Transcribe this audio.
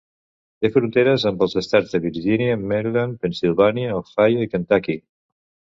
Té fronteres amb els estats de Virgínia, Maryland, Pennsilvània, Ohio, i Kentucky.